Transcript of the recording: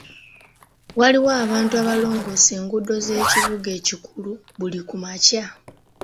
Waliwo abantu abalongoosa enguudo z'ekibuga ekikulu buli kumakya.